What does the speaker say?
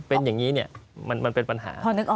เป็นอย่างนี้มันเป็นปัญหา